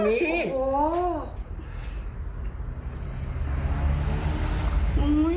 มีมี